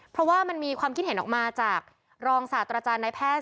เพราะว่ามันมีความคิดเห็นออกมาจากรองศาสตราจารย์นายแพทย์